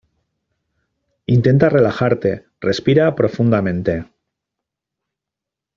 intenta relajarte. respira profundamente .